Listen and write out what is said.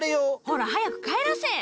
ほら早く帰らせい！